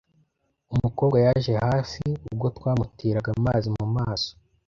Umukobwa yaje hafi ubwo twamuteraga amazi mumaso.